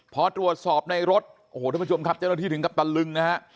พอตรวจสอบในรถโอ้โหท่านผู้ชมครับเจ้าหน้าที่ถึงกับตะลึงนะฮะ